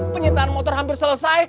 penyintaan motor hampir selesai